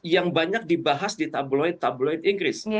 yang banyak dibahas di tabloid tabloid inggris